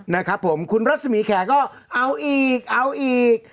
นะครับผมคุณรัศมีแขกก็เอาอีกเอาอีก